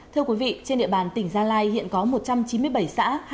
thưa quý vị trên địa bàn tỉnh gia lai hiện có một trăm chín mươi bảy xã